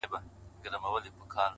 شپې مې سبا شوې